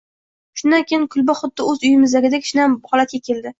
Shundan keyin kulba xuddi o`z uyimizdagidek shinam holatga keldi